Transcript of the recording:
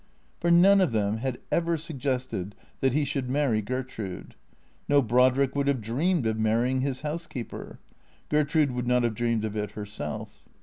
For none of them had ever suggested that he should marry Gertrude. No Brodrick would have dreamed of marrying his housekeeper. Gertrude would not have dreamed of it herself.